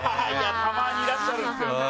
たまにいらっしゃるんですよね。